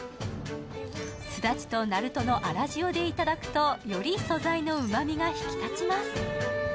すだちと鳴門の粗塩でいただくとより素材のうまみが引き立ちます。